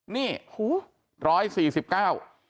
นี่๑๔๙บาท